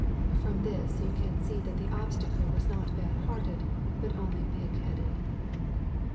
From this you can see that the Obstacle was not bad hearted, but only pig headed.